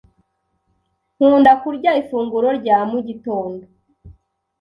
Nkunda kurya ifunguro rya mu gitondo.